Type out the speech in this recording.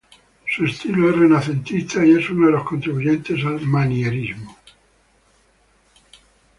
Su estilo es renacentista y es uno de los contribuyentes al Manierismo.